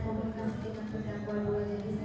saya tidak pernah dikomunikasi